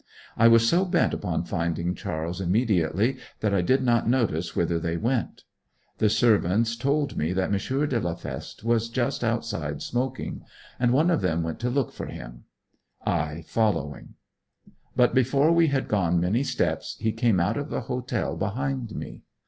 I was so bent upon finding Charles immediately that I did not notice whither they went. The servants told me that M. de la Feste was just outside smoking, and one of them went to look for him, I following; but before we had gone many steps he came out of the hotel behind me.